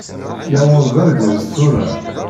Yewweḍ d argaz tura!